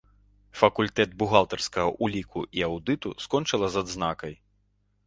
Факультэт бухгалтарскага ўліку і аўдыту, скончыла з адзнакай.